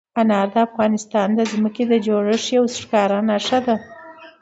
انار د افغانستان د ځمکې د جوړښت یوه ښکاره نښه ده.